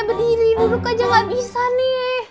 berdiri duduk aja gak bisa nih